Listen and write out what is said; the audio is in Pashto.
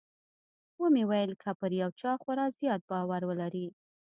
ومې ويل که پر يو چا خورا زيات باور ولرې.